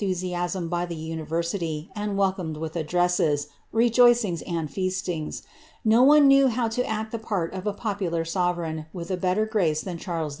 3S1 lusiasm by the university, and welcomed with addresses, ftod feasts. No one knew how to act the part of a populai with a better grace than Charles ]f.